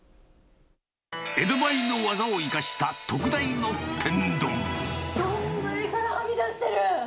江戸前の技を生かした特大の丼からはみ出してる！